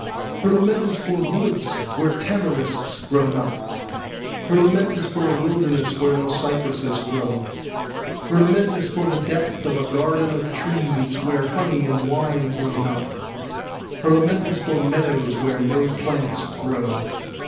Her lament is for woods, where tamarisks grow not. Her lament is for a wilderness where no cypresses (?) grow. Her lament is for the depth of a garden of trees, where honey and wine grow not. Her lament is for meadows, where no plants grow.